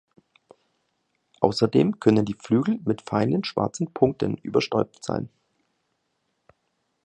Außerdem können die Flügel mit feinen schwarzen Punkten überstäubt sein.